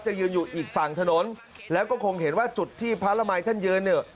ยืนอยู่อีกฝั่งถนนแล้วก็คงเห็นว่าจุดที่พระละมัยท่านยืนเนี่ย